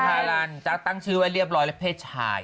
พี่พารันตั้งชื่อไว้เรียบร้อยแล้วเพชรชาย